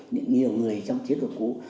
những nhiều người trong chiếc cửa cũ